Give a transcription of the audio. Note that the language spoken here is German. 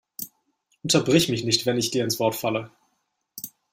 Unterbrich mich nicht, wenn ich dir ins Wort falle!